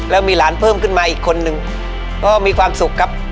แล้วมีหลานเพิ่มขึ้นมาอีกคนนึงก็มีความสุขครับ